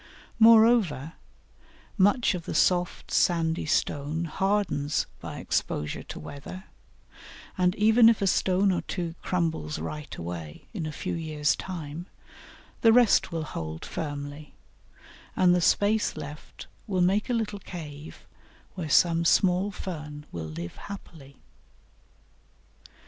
Moreover, much of the soft sandy stone hardens by exposure to weather; and even if a stone or two crumbles right away in a few years' time, the rest will hold firmly, and the space left will make a little cave where some small fern will live happily.